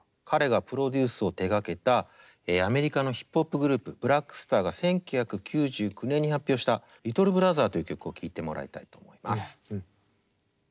彼がプロデュースを手がけたアメリカのヒップホップグループブラック・スターが１９９９年に発表した「ＬｉｔｔｌｅＢｒｏｔｈｅｒ」という曲を聴いてもらいたいと思います。